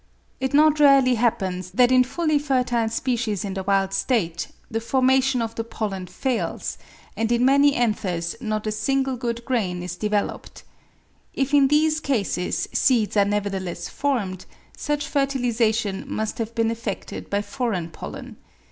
It not rarely happens that in fully fertile species in the wild state the formation of the pollen fails, and in many anthers not a single good grain is developed. If in these cases seeds are nevertheless formed, such fertilisation must have been effected by foreign pollen.